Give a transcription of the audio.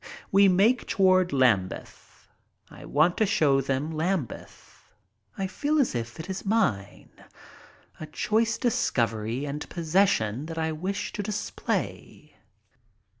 We make toward Lambeth, I want to show them Lambeth. I feel as if it is mine — a choice discovery and possession that I wish to display.